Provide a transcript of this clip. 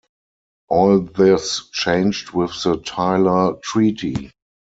All this changed with the Tyler treaty.